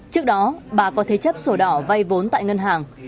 trước đó bà có thế chấp sổ đỏ vay vốn tại ngân hàng